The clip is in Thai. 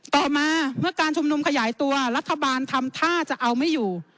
ต่อมาเมื่อการชุมนุมขยายตัวรัฐบาลทำท่าจะเอาไม่อยู่